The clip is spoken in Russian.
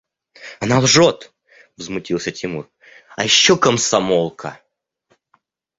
– Она лжет, – возмутился Тимур, – а еще комсомолка!